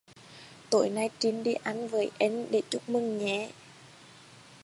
Tối nay Trinh đi ăn với anh để chúc mừng nhé